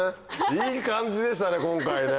いい感じでしたね今回ね。